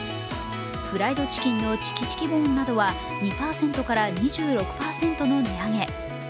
フライドチキンのチキチキボーンなどは２％から２６％の値上げ。